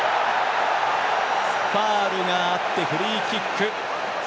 ファウルがあってフリーキック。